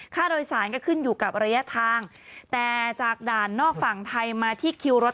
ค่าโดยสารก็ขึ้นอยู่กับระยะทางแต่จากด่านนอกฝั่งไทยมาที่คิวรถ